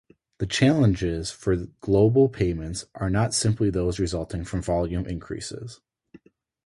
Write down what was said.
The challenges for global payments are not simply those resulting from volume increases.